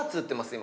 今。